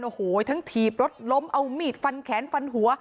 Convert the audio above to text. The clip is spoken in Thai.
โอ้โหทั้งถีบรถล้มเอามีดฟันแขนฟันหัว